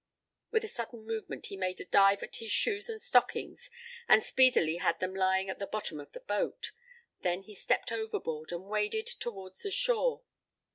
With a sudden movement he made a dive at his shoes and stockings and speedily had them lying at the bottom of the boat. Then he stepped overboard and waded towards the shore.